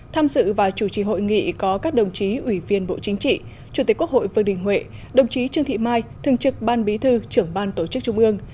tham dự và chủ trì hội nghị có các đồng chí ủy viên bộ chính trị chủ tịch quốc hội vương đình huệ đồng chí trương thị mai thường trực ban bí thư trưởng ban tổ chức trung ương